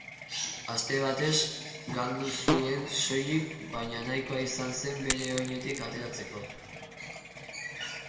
Aste batez galdu zuen soilik, baina nahikoa izan zen bere onetik ateratzeko.